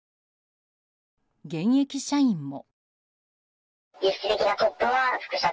現役社員も。